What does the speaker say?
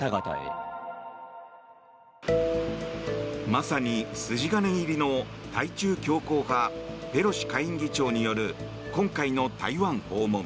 まさに筋金入りの対中強硬派ペロシ下院議長による今回の台湾訪問。